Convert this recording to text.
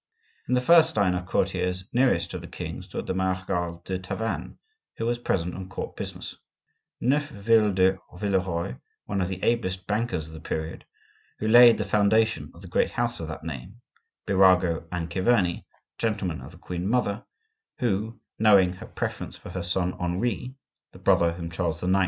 In the first line of courtiers nearest to the king stood the Marechal de Tavannes, who was present on court business; Neufville de Villeroy, one of the ablest bankers of the period, who laid the foundation of the great house of that name; Birago and Chiverni, gentlemen of the queen mother, who, knowing her preference for her son Henri (the brother whom Charles IX.